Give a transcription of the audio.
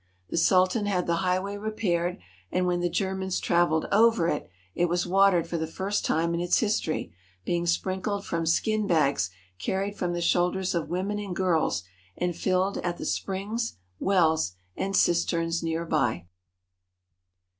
The Sultan had the highway repaired, and when the Germans travelled over it, it was watered for the first time in its history, being sprinkled from skin bags carried from the shoulders of women and girls, and filled at the springs, wells, and cisterns near by.